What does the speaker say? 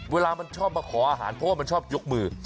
เวลามันชอบมาขออาหารเพราะว่ามันชอบยกมือ